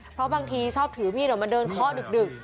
เพราะบางทีชอบถือมีหน่อยมันเดินคล่อดึก